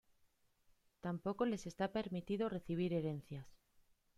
Tampoco les está permitido recibir herencias.